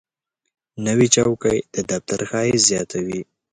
نوې چوکۍ د دفتر ښایست زیاتوي